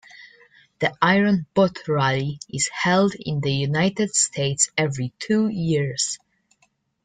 The Iron Butt Rally is held in the United States every two years.